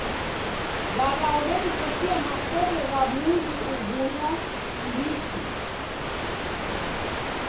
W'aw'a odenikotia makoto gha muzi ughuja m'mbishi.